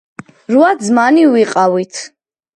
რვა ძმანი ვიყავით.